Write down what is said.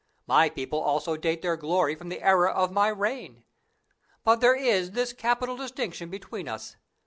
My people also date their glory from the era of my reign. But there is this capital distinction between us.